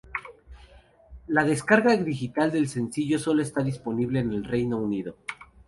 La descarga digital del sencillo sólo está disponible en el Reino Unido.